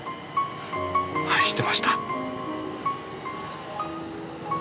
愛してました。